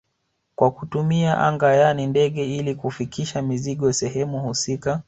Kwa kutumia anga yani ndege ili kufikisha mizigo sehemu husika